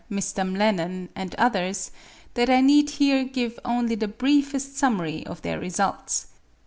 Mr. Tylor, Mr. M'Lennan, and others, that I need here give only the briefest summary of their results.